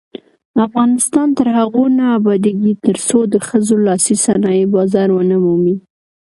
افغانستان تر هغو نه ابادیږي، ترڅو د ښځو لاسي صنایع بازار ونه مومي.